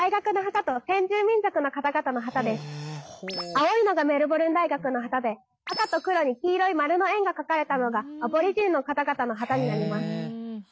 青いのがメルボルン大学の旗で赤と黒に黄色い丸の円が描かれたのがアボリジニの方々の旗になります。